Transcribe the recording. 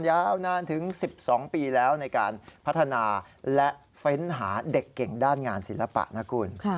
ยาวนานถึง๑๒ปีแล้วในการพัฒนาและเฟ้นหาเด็กเก่งด้านงานศิลปะนะคุณ